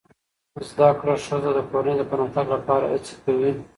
زده کړه ښځه د کورنۍ پرمختګ لپاره هڅې کوي